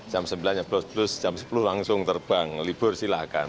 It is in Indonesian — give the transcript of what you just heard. jam sembilan nyeblos plus jam sepuluh langsung terbang libur silahkan